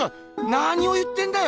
なにを言ってるんだよ